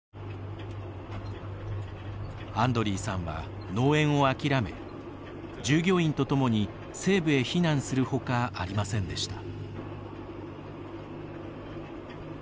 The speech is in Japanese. アンドリーさんは農園を諦め従業員とともに西部へ避難するほかありませんでした。